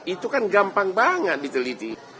itu kan gampang banget diteliti